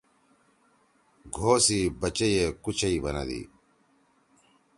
گھو سی بچئی ئے کُچئی بنَدی۔